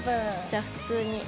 じゃあ普通に。